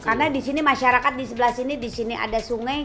karena di sini masyarakat di sebelah sini di sini ada sungai